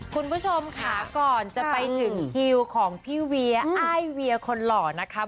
คุณผู้ชมค่ะก่อนจะไปถึงคิวของพี่เวียอ้ายเวียคนหล่อนะคะ